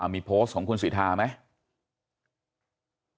มีโพสต์ของคุณสิทธาไหม